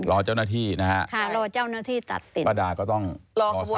รอเจ้าหน้าที่นะคะป้าดาก็ต้องรอสาร